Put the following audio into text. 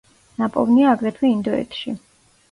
ნაპოვნია აგრეთვე ინდოეთში.